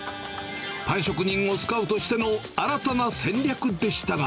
パン職人をスカウトしての新たな戦略でしたが。